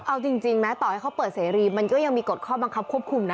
เอาจริงไหมต่อให้เขาเปิดเสรีมันก็ยังมีกฎข้อบังคับควบคุมนะ